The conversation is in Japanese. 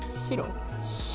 白？